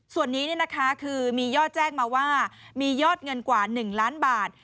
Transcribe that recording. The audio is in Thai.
ส่วนนี้คือมียอดแจ้งมาว่ามียอดเงินกว่า๑ล้านบาท